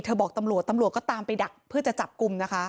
บอกตำรวจตำรวจก็ตามไปดักเพื่อจะจับกลุ่มนะคะ